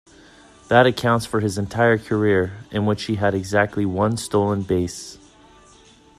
That accounts for his entire career, in which he had exactly one stolen base.